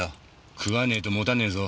食わねえともたねえぞ。